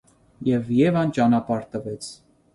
Եվ Եվան ճանապարհ տվեց: